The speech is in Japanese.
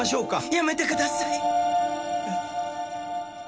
やめてください！